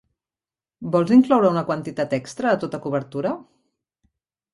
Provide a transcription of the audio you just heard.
Vols incloure una quantitat extra a tota cobertura?